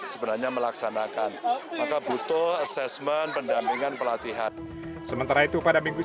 sebenarnya melaksanakan maka butuh assessment pendampingan pelatihan sementara itu pada minggu